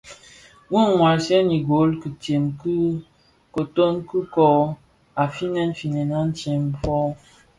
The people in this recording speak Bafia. Bi ňwasèn ugôl Kitsem kin kōton ikōō u finèn finèn adyèn fō.